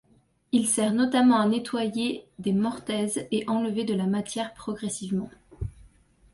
Il sert notamment à nettoyer des mortaises et enlever de la matière progressivement.